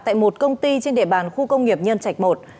tại một công ty trên địa bàn khu công nghiệp nhân trạch i